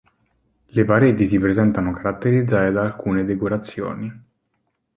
Le pareti si presentano caratterizzate da alcune decorazioni.